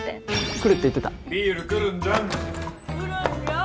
来るって言ってたビール来るんじゃん来るんじゃん